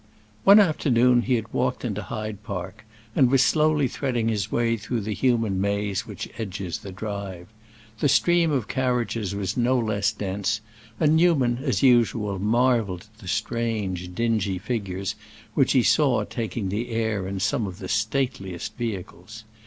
One afternoon he had walked into Hyde Park, and was slowly threading his way through the human maze which edges the Drive. The stream of carriages was no less dense, and Newman, as usual, marveled at the strange, dingy figures which he saw taking the air in some of the stateliest vehicles.